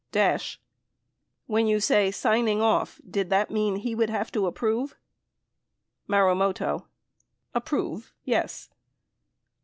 Dash. When.you say "signing off," did that mean he would have to agree? Marumoto. Approve, yes.